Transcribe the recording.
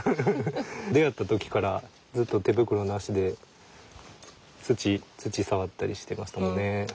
出会った時からずっと手袋なしで土触ったりしてましたもんね。